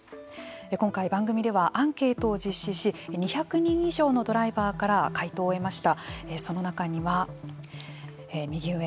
今回番組ではアンケートを実施し２００人以上のドライバーから回答を得ました。